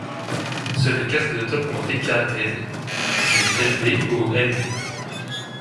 Seuls quatre isotopes ont été caractérisés, du Lv au Lv.